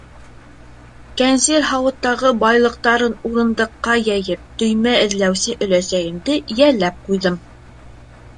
Кәнсир һауыттағы байлыҡтарын урындыҡҡа йәйеп төймә эҙләүсе өләсәйемде йәлләп ҡуйҙым.